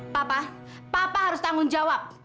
papa papa harus tanggung jawab